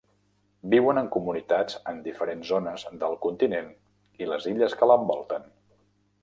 Viuen en comunitats en diferents zones del continent i les illes que l'envolten.